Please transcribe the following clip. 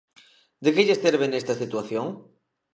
De que lle serve nesta situación?